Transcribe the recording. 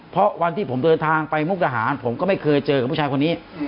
เพราะวันที่ผมเดินทางไปมุกดาหารผมก็ไม่เคยเจอกับผู้ชายคนนี้